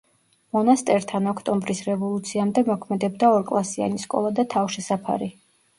მონასტერთან ოქტომბრის რევოლუციამდე მოქმედებდა ორკლასიანი სკოლა და თავშესაფარი.